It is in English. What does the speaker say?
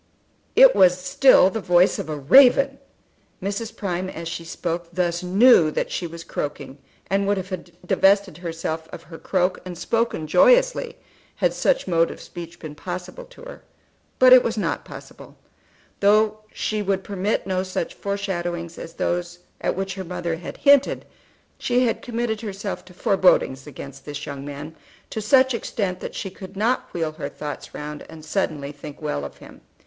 It was still the voice of a raven! Mrs. Prime as she spoke thus knew that she was croaking, and would have divested herself of her croak and spoken joyously, had such mode of speech been possible to her. But it was not possible. Though she would permit no such foreshadowings as those at which her mother had hinted, she had committed herself to forebodings against this young man, to such extent that she could not wheel her thoughts round and suddenly think well of him.